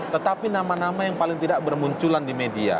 tetapi nama nama yang paling tidak bermunculan di media